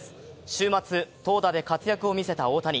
週末、投打で活躍を見せた大谷。